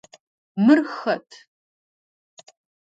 Мыр хэт?